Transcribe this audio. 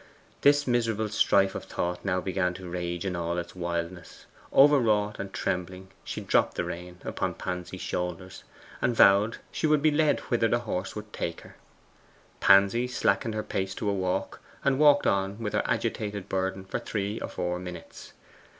This miserable strife of thought now began to rage in all its wildness. Overwrought and trembling, she dropped the rein upon Pansy's shoulders, and vowed she would be led whither the horse would take her. Pansy slackened her pace to a walk, and walked on with her agitated burden for three or four minutes.